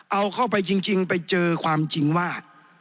เอาเข้าไปจริงไปเจอความจริงว่า